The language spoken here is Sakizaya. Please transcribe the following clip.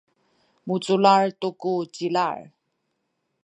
muculal tu ku cilal